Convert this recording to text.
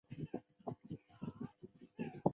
他的才华受到其他音乐家的重视。